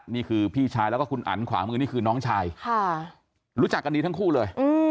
นี่คือพี่ชายแล้วก็คุณอันขวามือนี่คือน้องชายรู้จักกันดีทั้งคู่เลย